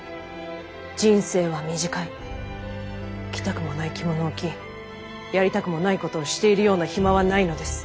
人生は短い着たくもない着物を着やりたくもないことをしているような暇はないのです。